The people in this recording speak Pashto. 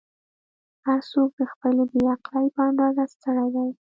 "هر څوک د خپلې بې عقلۍ په اندازه ستړی دی.